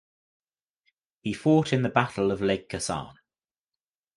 He fought in the Battle of Lake Khasan.